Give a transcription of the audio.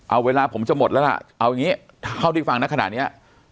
เอาเวลาผมจะหมดแล้วล่ะเอาอย่างนี้เท่าที่ฟังนะขนาดนี้